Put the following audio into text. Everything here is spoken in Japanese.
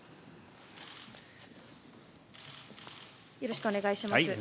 よろしくお願いします。